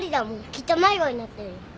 きっと迷子になってるよ。